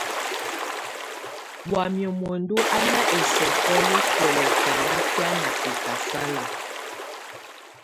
Wamɛ̀á muǝndù á nà ɛsɔkɔ̀ yɛ̀ kuɛ̀lɛ̀ talakɛ̀á nà bɛ̀kasala.